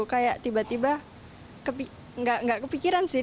kayak tiba tiba nggak kepikiran sih